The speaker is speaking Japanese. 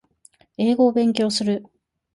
英語を勉強する